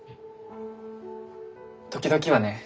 時々はね